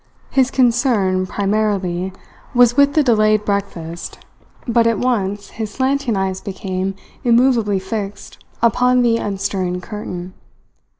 His concern primarily was with the delayed breakfast, but at once his slanting eyes became immovably fixed upon the unstirring curtain.